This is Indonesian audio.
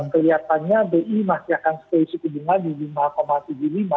keliatannya bi masih akan setuju dengan lima tujuh puluh lima